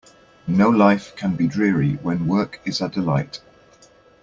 No life can be dreary when work is a delight.